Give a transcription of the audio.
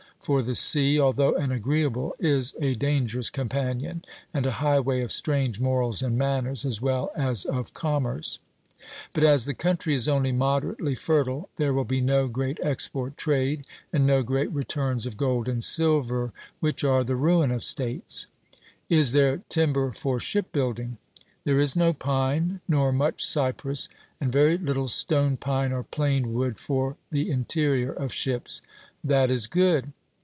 For the sea, although an agreeable, is a dangerous companion, and a highway of strange morals and manners as well as of commerce. But as the country is only moderately fertile there will be no great export trade and no great returns of gold and silver, which are the ruin of states. Is there timber for ship building? 'There is no pine, nor much cypress; and very little stone pine or plane wood for the interior of ships.' That is good.